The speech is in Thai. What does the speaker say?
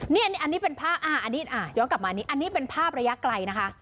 นี่นี่เป็นภาพย้อนกลับมาอันนี้เป็นภาพระยะไกลนะคะ